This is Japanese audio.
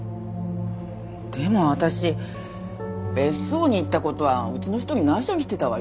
でも私別荘に行った事はうちの人に内緒にしてたわよ。